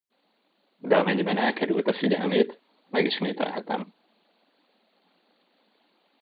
De amennyiben elkerülte figyelmét, megismételhetem.